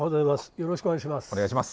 よろしくお願いします。